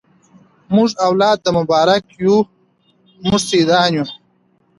موږ اولاد د مبارک یو موږ سیدان یو